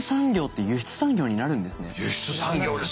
輸出産業ですよ。